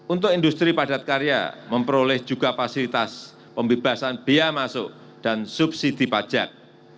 untuk industri padat karya memperoleh juga fasilitas pembebasan biaya masuk dan subsidi pajak